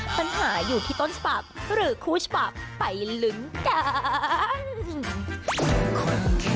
ปัญหาอยู่ที่ต้นฉบับหรือคู่ฉบับไปลุ้นกัน